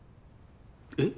えっ？